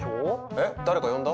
えっ誰か呼んだ？